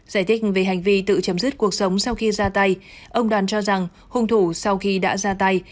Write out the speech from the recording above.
giải thích về hành vi tự chấm dứt cuộc sống sau khi ra tay ông đoàn cho rằng hung thủ sau khi đã ra tay